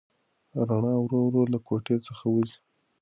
رڼا ورو ورو له کوټې څخه وځي.